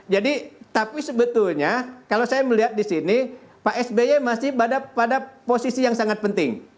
tapi sebetulnya kalau saya melihat di sini pak sby masih pada posisi yang sangat penting